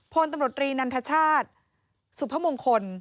พลตำรวจรีนันทชาติสุพมงคล